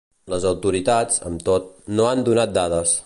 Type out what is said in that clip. Les autoritats, amb tot, no han donat dades.